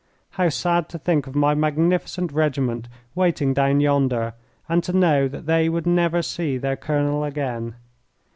How sad to think of my magnificent regiment waiting down yonder, and to know that they would never see their colonel again!